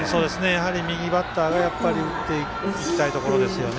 右バッターが打っていきたいところですよね。